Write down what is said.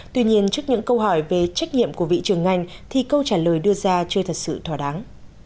tuy nhiên trước những câu hỏi về trách nhiệm của vị trưởng ngành thì câu trả lời đưa ra chưa thật sự thỏa đáng